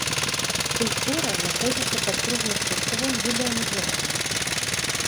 Скульптура знаходзіцца пад кругласуткавым відэаназіраннем.